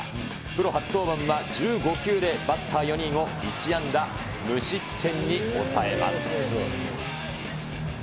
プロ初登板は１５球でバッター４人を１安打無失点に抑えます。